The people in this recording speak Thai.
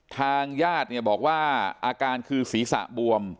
ทางญาติเนี่ยบอกว่าอาการคือศีรษะบวม